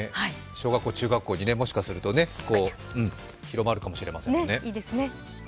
小学校、中学校に、もしかすると広まるかもしれませんね。